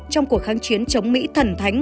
trong cuộc kháng chiến chống mỹ thần thánh